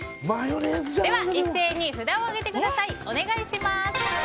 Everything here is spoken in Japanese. では一斉に札を上げてください。